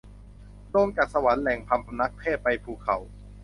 ลงจากสวรรค์ แหล่งพำนักเทพ ไปภูเขา